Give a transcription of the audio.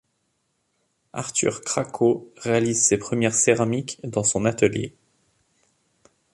Arthur Craco réalise ses premières céramiques dans son atelier.